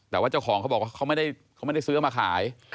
แต่ว่าเจ้าของเขาบอกว่าเขาไม่ได้ซื้อมาขาย